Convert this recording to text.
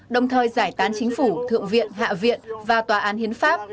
đồng thời giải tán chính phủ thượng viện hạ viện và tòa án hiến pháp